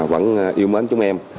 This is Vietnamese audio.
vẫn yêu mến chúng em